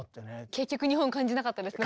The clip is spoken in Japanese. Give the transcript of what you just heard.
結局日本感じなかったですね